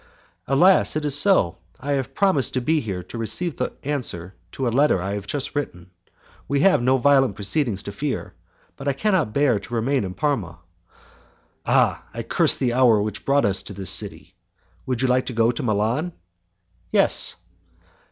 "Alas! it is so. I have promised to be here to receive the answer to a letter I have just written. We have no violent proceedings to fear, but I cannot bear to remain in Parma." "Ah! I curse the hour which brought us to this city. Would you like to go to Milan?" "Yes."